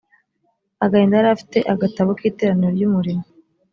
agahinda yari afite agatabo k iteraniro ry umurimo